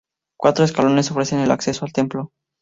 Cuatro escalones ofrecen el acceso al templo.